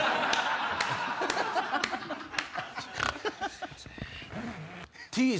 すいません。